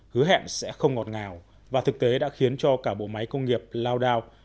hứa hẹn sẽ không ngọt ngào và thực tế đã khiến cho cả bộ máy công nghiệp lao đao